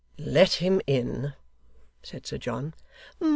'Let him in,' said Sir John.